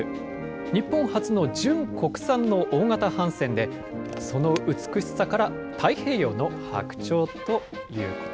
日本初の純国産の大型帆船で、その美しさから太平洋の白鳥ということ。